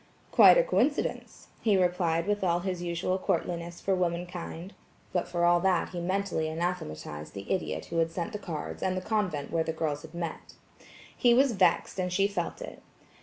"Quite a coincidence," he replied with all his usual courtliness for womankind; but for all that he mentally anathematized the idiot who had sent the cards and the convent where the girls had met. He was vexed, and she felt it.